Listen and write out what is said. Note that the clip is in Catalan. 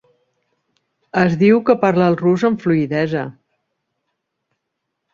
Es diu que parla el rus amb fluïdesa.